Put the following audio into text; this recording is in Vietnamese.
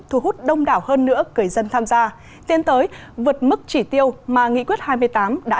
thu hút đông đảo hơn nữa người dân tham gia tiến tới vượt mức chỉ tiêu mà nghị quyết hai mươi tám đã